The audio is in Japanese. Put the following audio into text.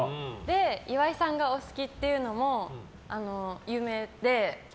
岩井さんがお好きっていうのも有名で。